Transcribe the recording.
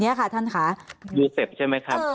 ยูเซปใช่ไหมครับ